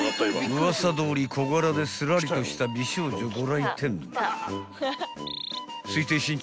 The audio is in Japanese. ［ウワサどおり小柄ですらりとした美少女ご来店］